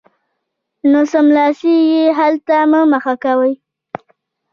نو سملاسي یې حل ته مه مخه کوئ